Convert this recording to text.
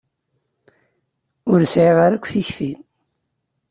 Ur sɛiɣ ara akk takti.